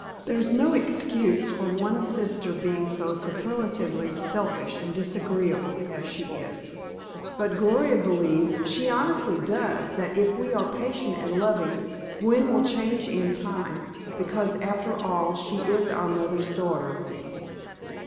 There's no excuse for one sister being so superlatively selfish and disagreeable as she is, but Gloria believes, she honestly does, that if we are patient and loving, Gwen will change in time, because after all she is our mother's daughter."